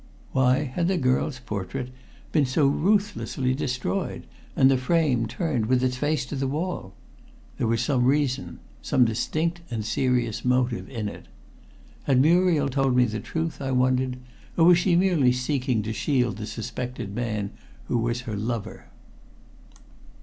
Why had the girl's portrait been so ruthlessly destroyed and the frame turned with its face to the wall? There was some reason some distinct and serious motive in it. Had Muriel told me the truth, I wondered, or was she merely seeking to shield the suspected man who was her lover?